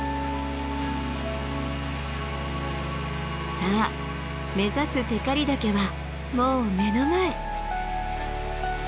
さあ目指す光岳はもう目の前。